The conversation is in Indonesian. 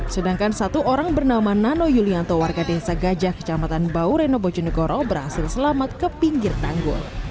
sedangkan satu orang bernama nano yulianto warga desa gajah kecamatan bau reno bojonegoro berhasil selamat ke pinggir tanggul